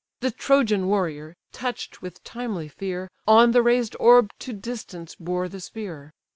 The Trojan warrior, touch'd with timely fear, On the raised orb to distance bore the spear.